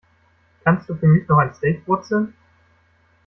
Kannst du für mich noch ein Steak brutzeln?